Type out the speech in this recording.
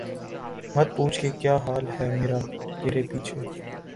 مت پوچھ کہ کیا حال ہے میرا ترے پیچھے